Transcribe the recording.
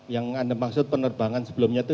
yang anda maksud penerbangan sebelumnya itu